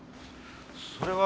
それは。